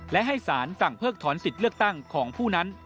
และให้สารสั่งเพิกถอนสิทธิ์เลือกตั้งของผู้นั้น